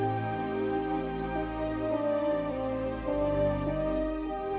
dengan tenangnya tuhan luluskan mereka